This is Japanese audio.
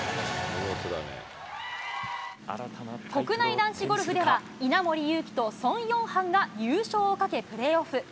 国内男子ゴルフでは、稲森ゆうきとソン・ヨンハンが優勝をかけプレーオフ。